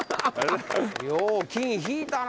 よう金引いたな。